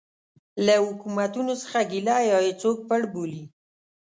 له حکومتونو څه ګیله یا یې څوک پړ بولي.